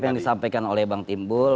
apa yang disampaikan oleh bang timbul